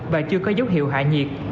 và chưa có dấu hiệu hạ nhiệt